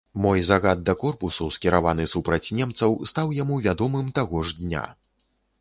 Мой загад да корпусу, скіраваны супраць немцаў, стаў яму вядомым таго ж дня.